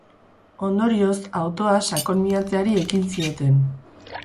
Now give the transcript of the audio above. Ondorioz, autoa sakon miatzeari ekin zioten.